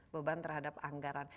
beban terhadap anggaran